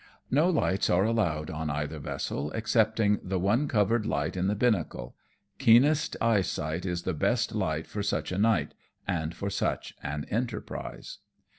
No lights are allowed on either vessel, excepting the one covered light in the binnacle ; keenest eyesight is the best light for such a night, and for such an enter prise.